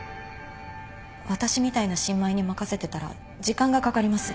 私みたいな新米に任せてたら時間がかかります。